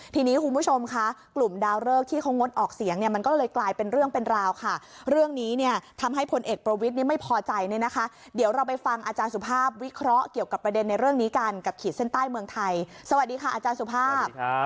ทีนี้คุณผู้ชมค่ะกลุ่มดาวเริกที่เขางดออกเสียงเนี่ยมันก็เลยกลายเป็นเรื่องเป็นราวค่ะเรื่องนี้เนี่ยทำให้พลเอกประวิทย์นี่ไม่พอใจเนี่ยนะคะเดี๋ยวเราไปฟังอาจารย์สุภาพวิเคราะห์เกี่ยวกับประเด็นในเรื่องนี้กันกับขีดเส้นใต้เมืองไทยสวัสดีค่ะอาจารย์สุภาพ